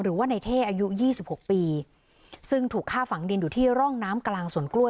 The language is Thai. หรือว่าในเท่อายุยี่สิบหกปีซึ่งถูกฆ่าฝังดินอยู่ที่ร่องน้ำกลางสวนกล้วย